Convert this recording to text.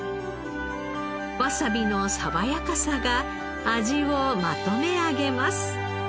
わさびの爽やかさが味をまとめ上げます。